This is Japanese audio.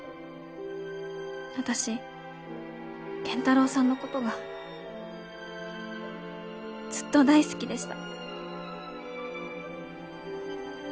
「私健太郎さんの事がずっと大好きでした」